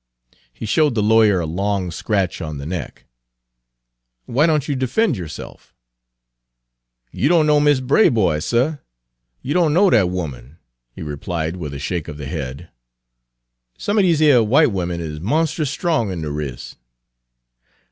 He showed the lawyer a long scratch on the neck. "Why don't you defend yourself?" "You don' know Mis' Braboy, suh; you don' know dat 'oman," he replied, with a shake of the head. "Some er dese yer w'ite women is monst'us strong in de wris'."